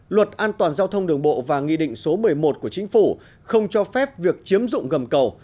luật an toàn giao thông đường bộ và nghị định số một mươi một của chính phủ không cho phép việc chiếm dụng gầm cầu